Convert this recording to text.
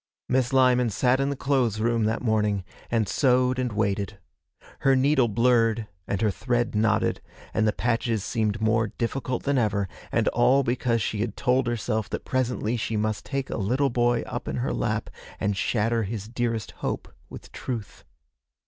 Miss Lyman sat in the clothes room that morning, and sewed and waited. Her needle blurred, and her thread knotted, and the patches seemed more difficult than ever, and all because she had told herself that presently she must take a little boy up in her lap and shatter his dearest hope with truth.